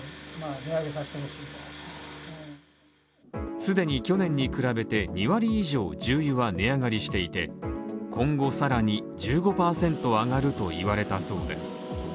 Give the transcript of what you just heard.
既に去年に比べて２割以上、重油は値上がりしていて、今後さらに１５％上がると言われたそうです。